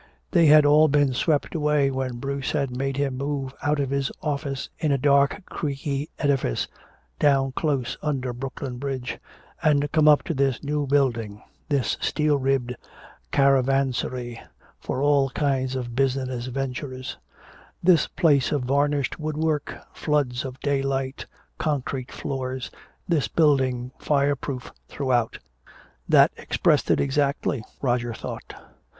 They had all been swept away when Bruce had made him move out of his office in a dark creaky edifice down close under Brooklyn Bridge, and come up to this new building, this steel ribbed caravansary for all kinds of business ventures, this place of varnished woodwork, floods of daylight, concrete floors, this building fireproof throughout. That expressed it exactly, Roger thought.